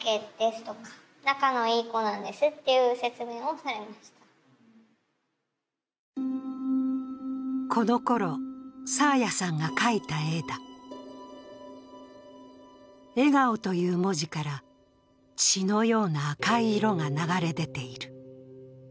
しかしこのころ、爽彩さんが描いた絵だ「笑顔」という文字から血のような赤い色が流れ出ている。